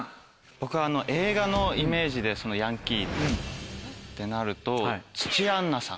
僕映画のイメージでヤンキーってなると土屋アンナさん。